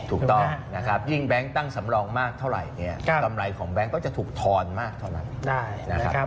ถูกต้องยิ่งแบงก์ตั้งสำรองมากเท่าไหร่กำไรของแบงก์ก็จะถูกทอนมากเท่าไหร่